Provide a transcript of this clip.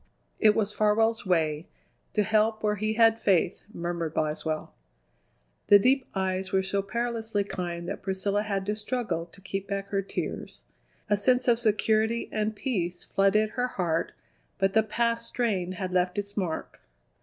"It was Farwell's way: to help where he had faith," murmured Boswell. The deep eyes were so perilously kind that Priscilla had to struggle to keep back her tears. A sense of security and peace flooded her heart, but the past strain had left its mark.